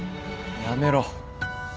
やめろ。